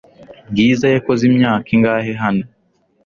Bwiza yakoze imyaka ingahe hano?